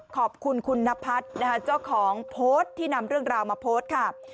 ขอบคุณคุณนพัฒน์นะคะเจ้าของโพสต์ที่นำเรื่องราวมาโพสต์ค่ะ